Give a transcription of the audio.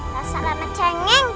tak salah macen neng